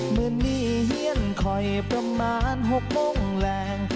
เมื่อนนี้เหี้ยนค่อยประมาณหกโมงแรง